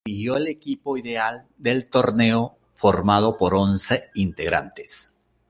Se eligió al equipo ideal del torneo formado por once integrantes.